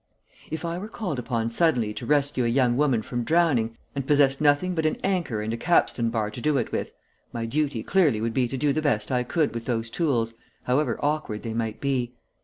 "If I were called upon suddenly to rescue a young woman from drowning, and possessed nothing but an anchor and a capstan bar to do it with, my duty clearly would be to do the best I could with those tools, however awkward they might be.